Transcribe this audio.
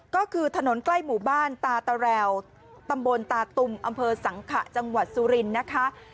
ก็คือถนนใกล้หมู่บ้านตาตะแรวตำบลตาตุมอำเภอสังขะจังหวัดสุรินทร์นะคะ